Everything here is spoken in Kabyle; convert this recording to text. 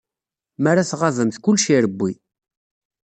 Mi ara tɣabemt, kullec irewwi.